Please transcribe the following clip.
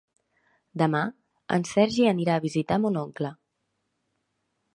Demà en Sergi anirà a visitar mon oncle.